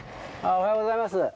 おはようございます。